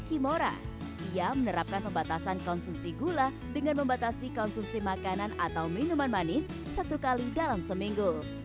ia menerapkan pembatasan konsumsi gula dengan membatasi konsumsi makanan atau minuman manis satu kali dalam seminggu